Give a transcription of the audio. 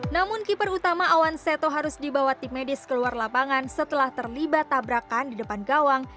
namun keeper utama awan seto harus dibawa tim medis keluar lapangan setelah terlibat tabrakan di depan gawang